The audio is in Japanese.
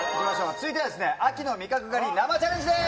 続いては秋の味覚狩り生チャレンジです。